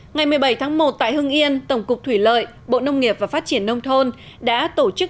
ngày một mươi bảy tháng một tại hưng yên tổng cục thủy lợi bộ nông nghiệp và phát triển nông thôn đã tổ chức